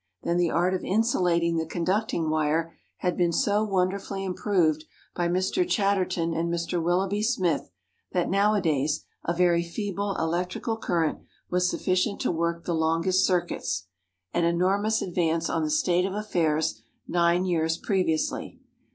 Then the art of insulating the conducting wire had been so wonderfully improved by Mr. Chatterton and Mr. Willoughby Smith, that, nowadays, a very feeble electrical current was sufficient to work the longest circuits, an enormous advance on the state of affairs nine years previously.